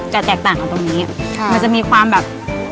แตกต่างกันตรงนี้มันจะมีความแบบ